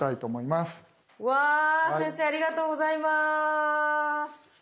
わ先生ありがとうございます。